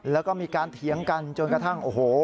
แล้วก็มีการเถียงกันจนกระทั่งโอ้โห